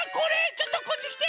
ちょっとこっちきて！